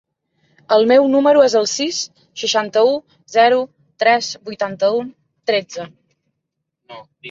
El meu número es el sis, seixanta-u, zero, tres, vuitanta-u, tretze.